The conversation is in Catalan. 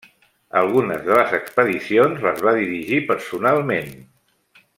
Alguna de les expedicions, les va dirigir personalment.